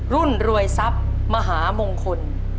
รวยทรัพย์มหามงคล